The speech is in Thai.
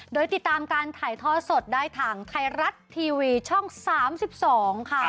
โดยติดตามการถ่ายทอดสดได้ทางไทยรัฐทีวีช่อง๓๒ค่ะ